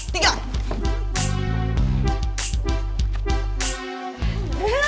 satu dua tiga